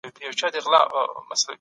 تاسو کولای شئ خپل نظریات شریک کړئ.